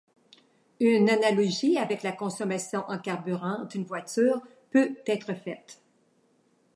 Une analogie avec la consommation en carburant d'une voiture peut être faite.